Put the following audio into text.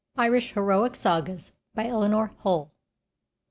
IRISH HEROIC SAGAS By ELEANOR HULL.